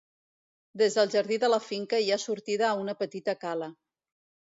Des del jardí de la finca hi ha sortida a una petita cala.